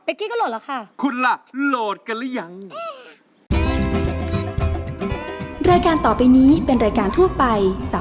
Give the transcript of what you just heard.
เมื่อกี้ก็โหลดแล้วค่ะ